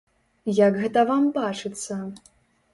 Як гэта вам бачыцца?